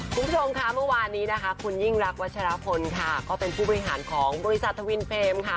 ทวชมค่ะมาวานนี้นะคะคุณยิ่งรักวัชหราภนค่ะก็เป็นผู้บริหารของบริษัทวินเคค่ะ